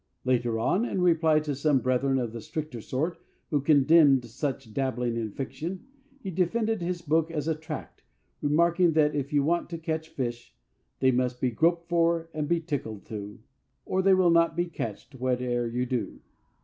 Later on, in reply to some brethren of the stricter sort who condemned such dabbling in fiction, he defended his book as a tract, remarking that, if you want to catch fish, They must be groped for, and be tickled too, Or they will not be catch't, whate'er you do.